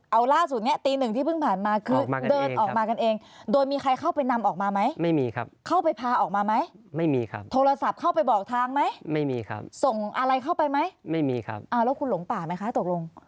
เอาล่าสุดนี้ตีหนึ่งที่เพิ่งผ่านมาคือเดินออกมากันเองโดยมีใครเข้าไปนำออกมาไหมไม่มีครับเข้าไปพาออกมาไหมไม่มีครับโทรศัพท์เข้าไปบอกทางไหมไม่มีครับส่งอะไรเข้าไปไหมไม่มีครับเอาแล้วคุณหลงป่าไหมคะตกลง